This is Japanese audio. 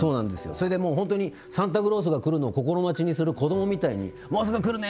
それでもう本当にサンタクロースが来るのを心待ちにする子供みたいに「もうすぐ来るね」